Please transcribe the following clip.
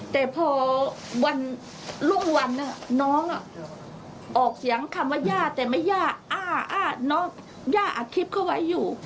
แต่พอวันรุ่งวันน้องออกเสียงคำว่าย่าแต่ไม่ย่าอ้าอ้าน้องย่าอัดคลิปเขาไว้อยู่